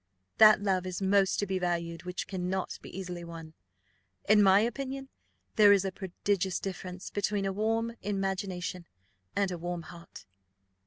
That love is most to be valued which cannot be easily won. In my opinion there is a prodigious difference between a warm imagination and a warm heart."